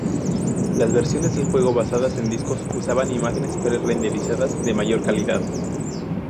Las versiones del juego basadas en discos usaban imágenes pre-renderizadas de mayor calidad.